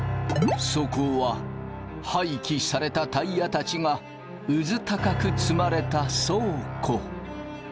そこは廃棄されたタイヤたちがうずたかく積まれた倉庫。